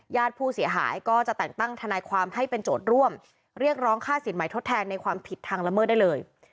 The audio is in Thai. ญาติผู้เสียหายก็จะแต่งตั้งทนายความให้เป็นโจทย์ร่วมเรียกร้องค่าสินใหม่ทดแทนในความผิดทางละเมิดได้เลย